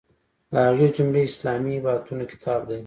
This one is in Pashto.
له هغې جملې اسلامي عبادتونه کتاب دی.